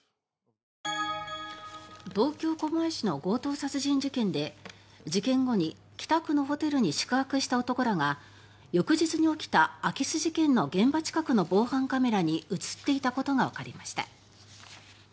東京・狛江市の強盗殺人事件で事件後に北区のホテルに宿泊した男らが翌日に起きた空き巣事件の現場近くの防犯カメラに映っていたことがわかりました。